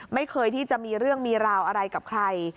ไม่เคยที่จะมีเรื่องมีราวอะไรกับใคร